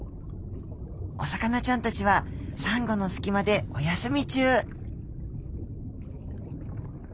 お魚ちゃんたちはサンゴの隙間でお休み中。